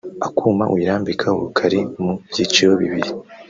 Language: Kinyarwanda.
Akuma uyirambikaho kari mu byiciro bibiri